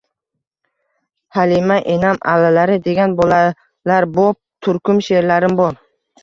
“Halima enam allalari” degan bolalarbop turkum she’rlarim bor.